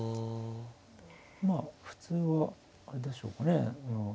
まあ普通はあれでしょうかね